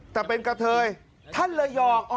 แต่เป็นกะเทยท่านเลยหยอก